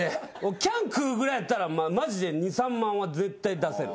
キャン食うぐらいやったらマジで２３万は絶対出せる。